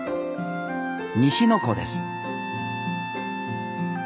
西の湖です